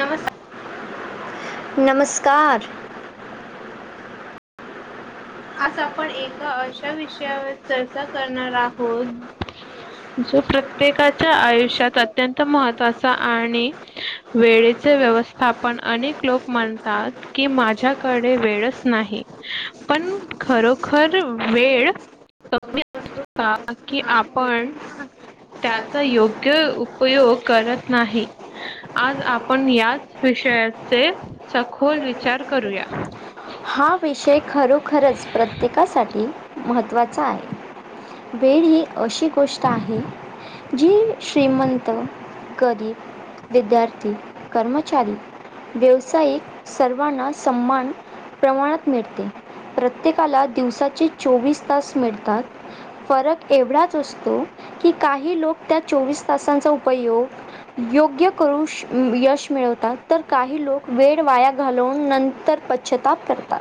नमस्कार. नमस्कार. आज आपण एका अशा विषयावर चर्चा करणार आहोत- जो प्रत्येकाच्या आयुष्यात अत्यंत महत्वाचा आणि- वेळेचे व्यवस्थापन. अनेक लोक म्हणतात की माझ्याकडे वेळच नाही. पण खरोखर वेळ कमी [unintelligible] की आपण त्याचा योग्य उपयोग करत नाही. आज आपण याच विषयाचे सखोल विचार करूया. हा विषय खरोखरच प्रत्येकासाठी महत्त्वाचा आहे. वेळ ही अशी गोष्ट आहे- जी श्रीमंत, गरीब- विद्यार्थी, कर्मचारी, व्यावसायिक सर्वांना सम्मान- प्रमाणात मिळते. प्रत्येकाला दिवसाचे चोवीस तास मिळतात- फरक एवढाच असतो, की काही लोक त्या चोवीस तासांचा उपयोग- योग्य करू यश मिळवतात. तर काही लोक वेळ वाया घालवून नं - तर पच्छाताप करतात.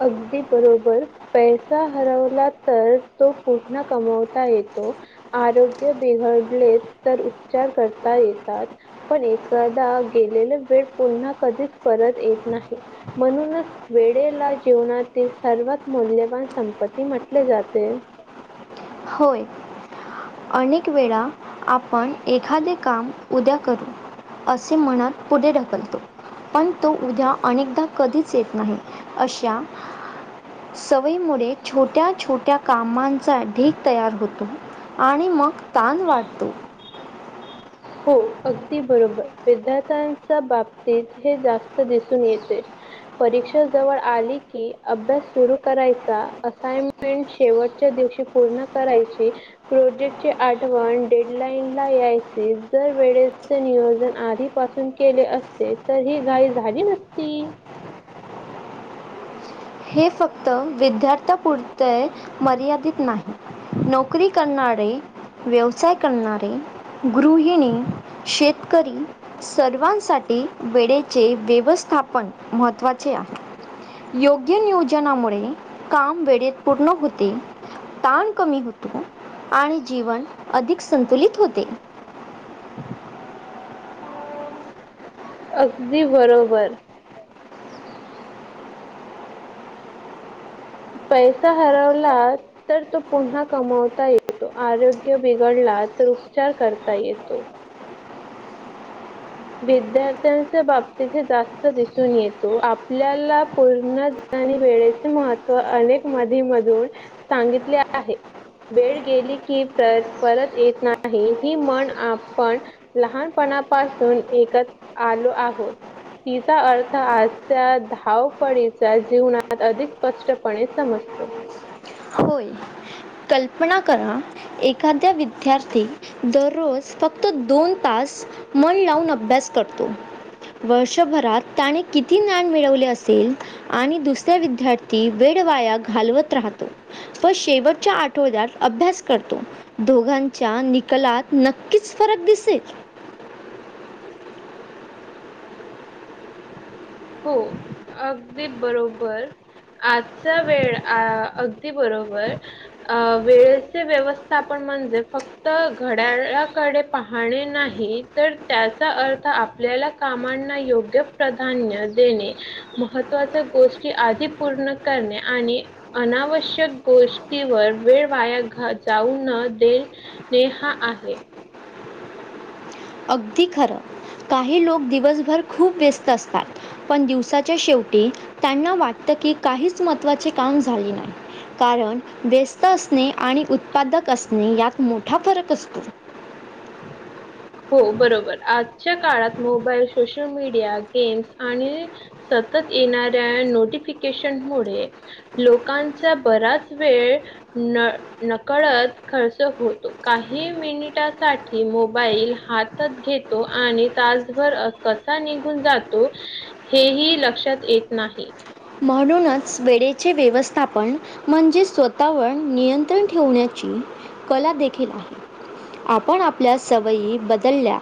अगदी बरोबर. पैसा हरवला तर तो पूर्ण कमवता येतो- आरोग्य बिघडले तर उपचार करता येतात. पण एखादा गेलेला वेळ पुन्हा कधीच परत येत नाही. म्हणूनच- वेळेला जीवनातील सर्वात मौल्यवान संपत्ती म्हटले जाते. होय. अनेक वेळा आपण एखादे काम- उद्या करू असे म्हणत पुढे ढकलतो. पण तो उद्या अनेकदा कधीच येत नाही. अशा- सवयीमुळे छोट्या छोट्या कामांचा ढीग - तयार होतो आणि मग ताण वाढतो. हो अगदी बरोबर. विद्यार्थ्यांच्या बाबतीत हे जास्त दिसून येते. परीक्षा जवळ आली की अभ्यास सुरू करायचा. असाय- मेंट शेवटच्या दिवशी पूर्ण करायची- प्रोजेक्ट ची आठवण डेडलाईन ला यायच- जर वेळेचे नियोजन आधीपासून केले असते तर ही घाई झाली नसती. हे फक्त विद्यार्थ्यापुरते मर्यादित नाही नोकरी करणारे व्यवसाय करणारे गृहिणी शेतकरी सर्वांसाठी वेळेचे व्यवस्थापन महत्त्वाचे आहे. योग्य नियोजनामुळे काम वेळेत पूर्ण होते. ताण कमी होतो आणि जीवन अधिक संतुलित होते. अगदी बरोबर पैसा हरवलात तर तो पुन्हा कमवता येतो आरोग्य बिघडला तर उपचार करता येतो. विद्यार्थ्यांच्या बाबतीत जास्त दिसून येतो आपल्याला पूर्ण जनाने वेळेचे महत्त्व अनेक मधीमधून सांगितले आहे. बेळ गेली की पर परत येत नाही ही म्हण आपण.. लहानपणापासून एकत आलो आहोत. तिचा अर्थ आजच्या धावपळीच्या जीवनात अधिक स्पष्टपणे समजतो. होय कल्पना करा एखाद्या विद्यार्थी दररोज फक्त दोन तास मन लावून अभ्यास करतो. वर्षभरात त्याने किती ज्ञान मिळवले असेल. आणि दुसऱ्या विद्यार्थी वेड वाया घालवत राहतो पण शेवट आठवड्यात अभ्यास करतो दोघांच्या निकलात नक्कीच फरक दिसेल. हो अगदी बरोबर आजचा वेळ अ अगदी बरोबर अ वेळेचे व्यवस्थापण म्हणजे फक्त घड्याळाकडे पाहणे नाही तर त्याचा अर्थ आप आपल्याला कामांना योग्य प्राधान्य देणे महत्त्वाच्या गोष्टी आधी पूर्ण करणे आणि अनावश्यक गोष्टीवर वेळ वाया जाऊ न देल नेहा आहे अगदी खरं काही लोक दिवसभर खूप व्यस्त असतात पण दिवसाच्या शेवटी त्यांना वाटतं की काहीच महत्त्वाचे काम झाले नाही. कारण व्यस्त असणे आणि उत्पादक असणे यात मोठा फरक असतो. हो बरोबर आजच्या काळात मोबाईल सोशल मीडिया गेम्स आणि सतत येणाऱ्या नोटिफिकेशन मुळे लोकांचा बराच वेळ न नकळत खर्च होतो काही मिनिटासाठी मोबाईल हातात घेतो आणि तासभर कसा निघून जातो. हेही लक्षात येत नाही. म्हणूनच वेळेचे व्यवस्थापन म्हणजे स्वतःवर नियंत्रण ठेण्या कला देखील आहे आपण आपल्या सवयी बदलल्या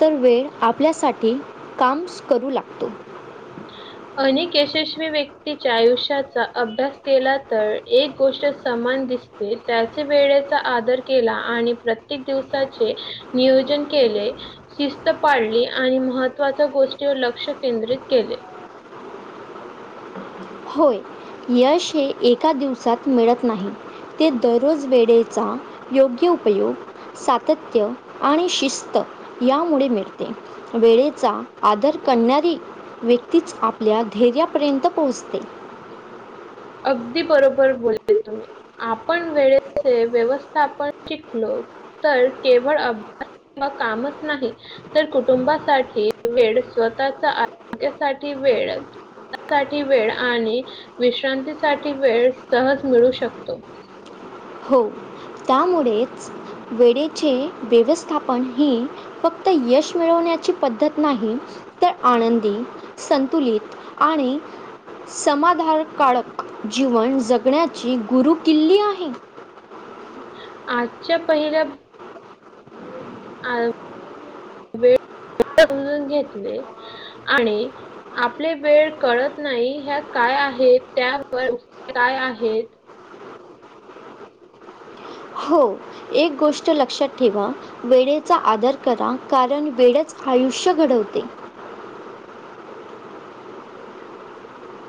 तर वेळ आपल्यासाठी काम करू लागतो. [inaudible] अनेक यशस्वी व्यक्तीच्या आयुष्याचा अभ्यास केला तर, एक गोष्ट समान दिस त्याच वेळेचा आदर केला आणि प्रत्येक दिवसाचे नियोजन केले. शिस्त पाळली आणि महत्त्वाच्या गोष्टीवर लक्ष केंद्रित केले. होय, यश हे एका दिवसात मिळत नाही. ते दररोज वेळेचा योग्य उपयोग सातत्य आणि शिस्त यामुळे मिळते. वेळेचा आदर करणारी व्यक्तीच आपल्या धैर्यापर्यंत पोहोचते. अगदी बरोबर बोलले तुम्ही आपण वेळेचे व्यवस्था आपण शिकलो. तर केवळ अभ्यास किंवा कामच नाही तर कुटुंबासाठी वेळ स्वतःच्या आरोग्यासाठी वेळ साठी वेळ आणि विश्रांतीसाठी वेळ सहज मिळू शकतो. हो. त्यामुळेच वेळेचे व्यवस्थापन हे फक्त यश मिळवण्याची पद्धत नाही, तर आनंदी, संतुलित आणि समाधान काळक जीवन जगण्याची गुरु किल्ली आहे. आजच्या पहिल्या अ वेळ समजून घेतले आणि आपले वेळ कळत नाही. ह्या काय आहेत? त्यावर उपाय काय आहेत? हो एक गोष्ट लक्षात ठेवा. वेळेचा आदर करा. कारण वेळच आयुष्य घडवते.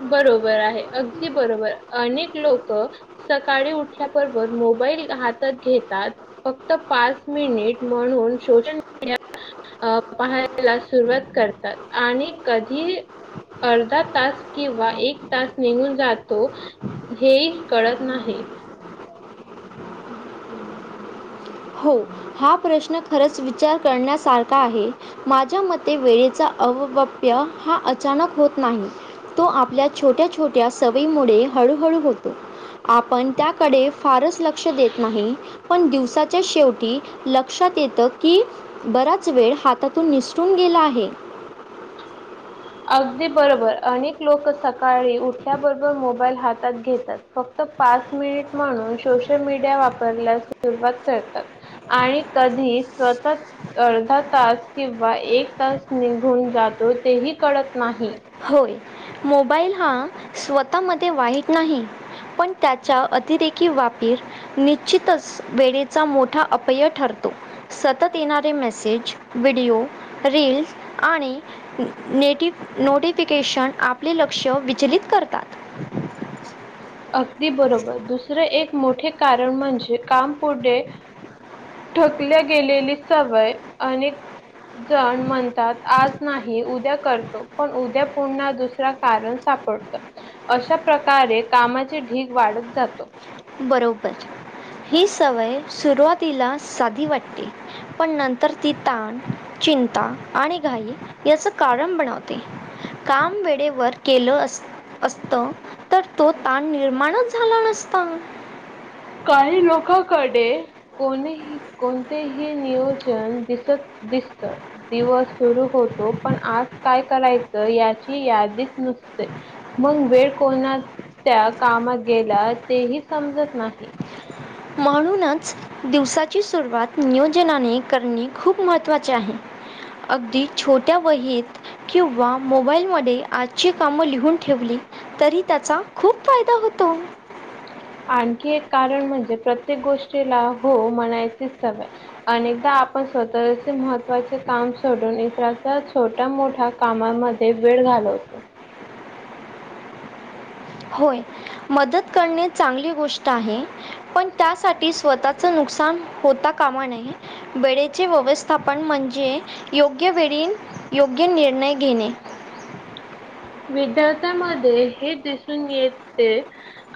बरोबर आहे. अगदी बरोबर अनेक लोक सकाळी उठल्या बरोबर मोबाईल हातात घेतात. फक्त पाच मिनिट म्हणून शोजन अ पाहायला सुरवात करतात आणि कधी अर्धा तास किंवा एक तास निघून जातो. हे कळत नाही. हो. हा प्रश्न खरंच विचार करण्यासारखा आहे. माझ्या मते वेळेचा अववाप्य हा अचानक होत नाही. तो आपल्या छोट्या छोट्या सवयीमुळे हळू हळू होतो. आपण त्याकडे फारच लक्ष देत नाही. पण दिवसा च्या शेवटी लक्षात येतं की, बराच वेळ हातातून निसटून गेला आहे. अगदी बरोबर. अनेक लोक सकाळी उठल्याबरोबर मोबा ईल हातात घेतात. फक्त पाच मिनिट म्हणून सोशल मीडिया वापरायला सुरवात करतात. आणि कधी स्वतःच अर्धा तास किंवा एक तास निघून जातो. तेही कळत नाही. होय, मोबाईल हा स्वतःमध्ये वाईट नाही. पण त्याच्या अतिरेकी वापर निश्चितच वेळेचा मोठा अपव्यय ठरतो. सतत येणारे मेसेज, व्हिडिओ, रील्स आणि नेटिव नोटिफिकेशन आपले लक्ष विचलित करतात. अगदी बरोबर दुसरे एक मोठे कारण म्हणजे काम पुढे ढकलल्या गेलेली सवय आणि जण म्हणतात आज नाही उद्या करतो. पण उद्या पुन्हा दुसरा कारण सापडत. अशा प्रकारे कामाचे ढीग वाढत जातो. बरोबर, ही सवय सुरुवातीला साधी वाटते. पण नंतर ती ताण, चिंता आणि घाई याच कारण बनवते. काम वेळेवर केलं अस असत तर तो ताण निर्माणच झाला नसता. काही लोकांकडे कोणीही कोणतेही नियोजन दिसत दिसत. दिवस सुरू होतो. पण आज काय करायचं याची यादीच नसते. मग वेळ कोणा त्या कामात गेला तेही समजत नाही. म्हणूनच, दिवसाची सुरुवात नियोजनाने करणे खूप महत्त्वाचे आहे. अगदी छोट्या वहीत किंवा मोबाईलमध्ये आ ची कामं लिहून ठेवली तरी त्याचा खूप फायदा होतो. आणखी एक कारण म्हणजे प्रत्येक गोष्टीला हो म्हणायची सवय अनेकदा आपण स्वतःचे महत्त्वाचे काम सोडून इतराचं सोशल मोठा मोठ्या कामामध्ये वेळ घालवतो. होय, मदत करणे चांगली गोष्ट आहे. पण त्यासाठी स्वतःच नुकसान होता. कामा नये वेळेचे व्यवस्थापन म्हणजे योग्य वेळी योग्य निर्णय घेणे. विद्यार्थ्यांमध्ये हे दिसून येते.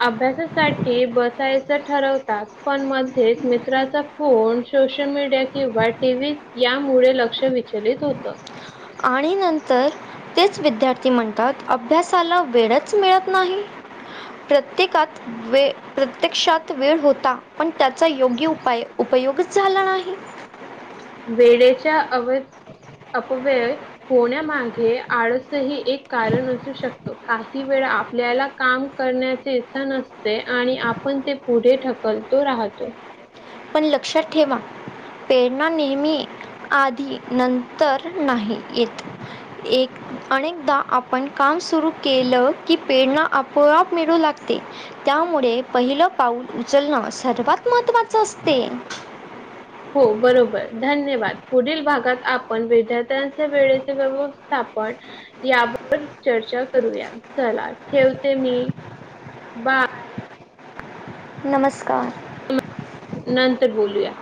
अभ्यासासाठी बसायचं ठरवतात. पण मध्येच मित्राचा फोन, सोशल मीडिया किंवा टीव्ही यामुळे लक्ष विचलित होतं. आणि नंतर. तेच विद्यार्थी म्हणतात. अभ्यासाला वेळच मिळत नाही. प्रत्येकात वे प्रत्यक्षात वेळ होता. पण त्याचा योग्य उपाय उपयोगच झाला नाही. वेळेच्या अव अपव्यय होण्यामागे आळस ही एक कारण असू शकतो. काही वेळा आपल्याला काम करण्याची इच्छा नसते. आणि आपण ते पुढे ढकलतो राहतो. पण लक्षात ठेवा प्रेरणा नेहमी आधी नंत तर नाही येत. एक अनेकदा आपण काम सुरू केलं की प्रेरणा आपोआप मिळू लागते. त्यामुळे पहिलं पाऊल उचलणं सर्वात महत्त्वाचं असते. हो बरोबर धन्यवाद पुढील भागात आपण विद्यार्थ्यांचे वेळेचे व्यवस्थापन यावर चर्चा करूया चला ठेवते मी बा नमस्कार. नंतर बोलूया.